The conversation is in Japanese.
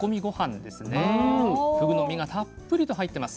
ふぐの身がたっぷりと入ってます。